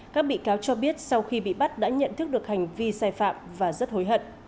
các bị cáo cho biết sau khi bị bắt đã nhận thức được hành vi sai phạm và rất hối hận